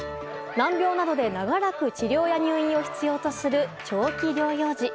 難病などで長らく治療や入院を必要とする長期療養児。